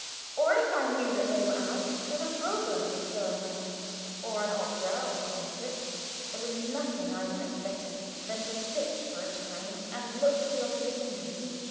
Or if I knew that they were out, that a probe was going on, or an opera or concert, there was nothing I liked better than to sit for a time and look to the opposite windows.